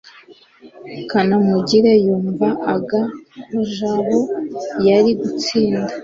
kanamugire yumv aga ko jabo yari gutinda